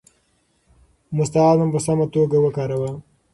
مستعار نوم په سمه توګه وکاروه.